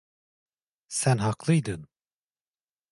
Sen haklıydın.